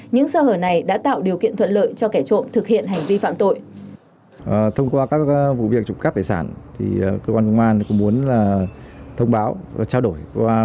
những sơ hở này đã tạo điều kiện thuận lợi cho kẻ trộm thực hiện hành vi phạm tội